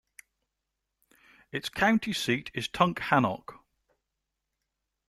Its county seat is Tunkhannock.